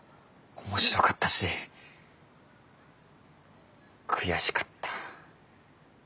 面白かったし悔しかった。